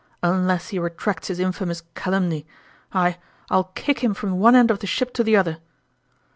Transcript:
" Unless he retracts his infamous calumny. I I'll kick him from one end of the ship to the other